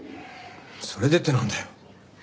「それで」ってなんだよ。